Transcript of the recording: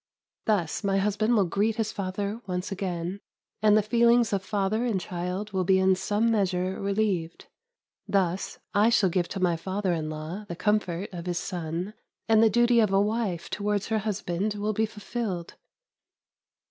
Thus, my husband will greet his father once again, and the feelings of father and child will be in some measure relieved. Thus, I shall give to my father in law the comfort of his son, and the duty of a wife towards her husband will be fulfilled.